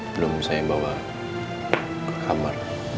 belum saya bawa kamar